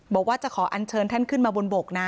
บอกว่าจะขออัญเชิญท่านขึ้นมาบนบกนะ